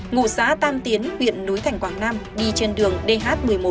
ngụ xã tam tiến huyện núi thành quảng nam đi trên đường dh một mươi một